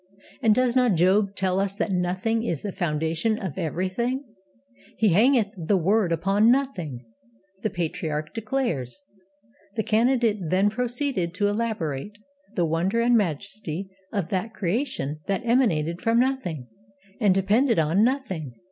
And does not Job tell us that Nothing is the foundation of everything? "He hangeth the world upon Nothing," the patriarch declares.' The candidate then proceeded to elaborate the wonder and majesty of that creation that emanated from Nothing, and depended on Nothing.